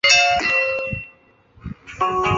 膜荚见血飞是豆科云实属的植物。